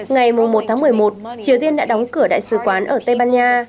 ngày một một mươi một triều tiên đã đóng cửa đại sứ quán ở tây ban nha